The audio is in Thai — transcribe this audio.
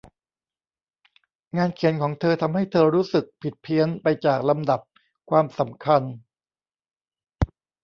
งานเขียนของเธอทำให้เธอรู้สึกผิดเพี้ยนไปจากลำดับความสำคัญ